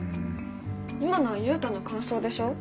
今のはユウタの感想でしょ。